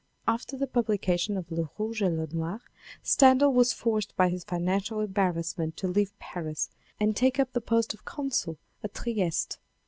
After the publication of Le Rouge et Le Noir Stendhal was forced by his financial embarrassment to leave Paris and take up the post of consul at Trieste.